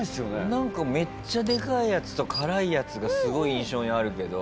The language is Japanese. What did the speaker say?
なんかめっちゃでかいやつと辛いやつがすごい印象にあるけど。